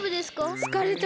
つかれた。